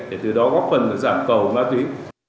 để từ đó góp phần giảm cầu ma túy